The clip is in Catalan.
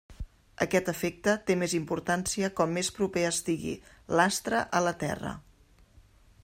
Aquest efecte té més importància com més proper estigui l'astre a la Terra.